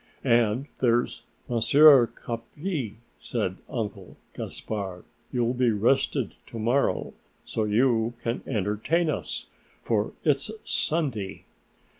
"And there's Monsieur Capi," said Uncle Gaspard; "you'll be rested to morrow, so you can entertain us, for it's Sunday.